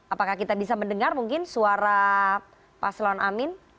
apakah kita bisa mendengar mungkin suara paslon amin